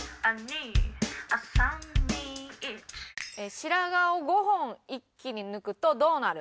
白髪を５本一気に抜くとどうなる？